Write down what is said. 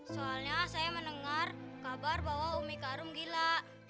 soalnya saya mendengar kabar bahwa umi kak rum gila